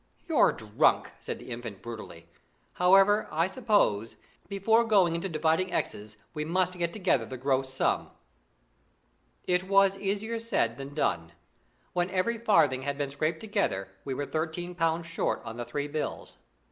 "You're drunk," said the Infant brutally. "However, I suppose, before going into dividing exes we must get together the gross sum." It was easier said than done. When every farthing had been scraped together, we were thirteen pounds short on the three bills.